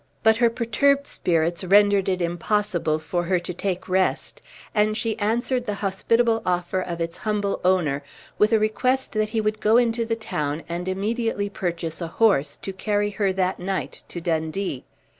But her perturbed spirits rendered it impossible for her to take rest, and she answered the hospitable offer of its humble owner, with a request that he would go into the town and immediately purchase a horse, to carry her that night to Dundee.